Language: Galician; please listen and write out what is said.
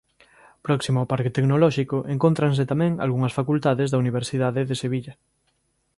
Próximo ao parque tecnolóxico encóntranse tamén algunhas facultades da Universidade de Sevilla.